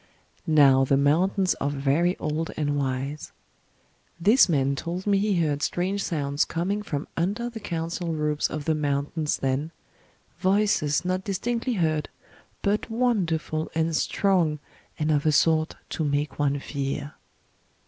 Now the mountains are very old and wise. This man told me he heard strange sounds coming from under the council robes of the mountains then, voices not distinctly heard, but wonderful and strong and of a sort to make one fear.